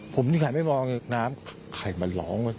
ผมยังไงไม่มองน้ำใครมาร้อง